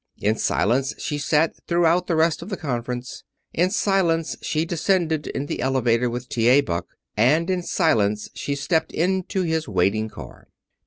In silence she sat throughout the rest of the conference. In silence she descended in the elevator with T.A. Buck, and in silence she stepped into his waiting car.